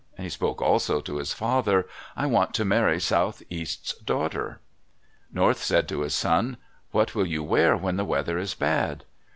He spoke also to his father: "I want to marry Southeast's daughter." North said to his son, "What will you wear when the weather is bad?"